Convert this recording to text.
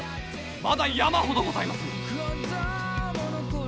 まだ山ほどございまする！